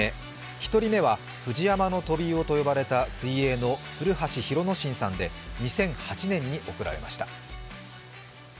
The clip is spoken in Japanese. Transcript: １人目は、フジヤマのトビウオと呼ばれた水泳の古橋廣之進さんで２００８年に贈られました。